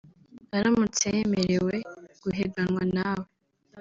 aramutse yemerewe guhiganywa na we